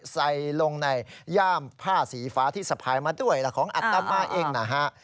ใส่ลงในย่ามผ้าสีฟ้าที่สะพายมาด้วยของอัตมาเองนะฮะ